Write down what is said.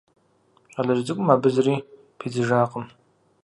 Щӏалэжь цӏыкӏум абы зыри пидзыжакъым.